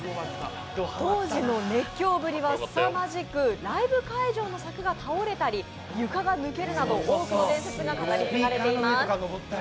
当時の熱狂ぶりはすさまじくライブ会場の柵が倒れたり床が抜けるなど多くの伝説が語り継がれています。